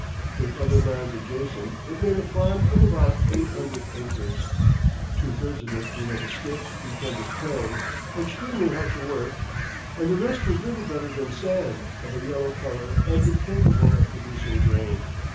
With other lands adjacent, it made a farm of about eight hundred acres. Two thirds of it were of a stiff, retentive clay, extremely hard to work, and the rest was little better than sand, of a yellow color and incapable of producing grain.